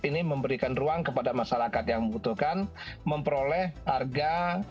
ini memberikan ruang kepada masyarakat yang membutuhkan memperoleh harga